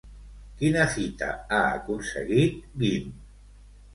Quina fita ha aconseguit Guim?